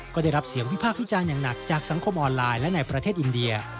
ก็ได้รับเสียงวิพากษ์วิจารณ์อย่างหนักจากสังคมออนไลน์และในประเทศอินเดีย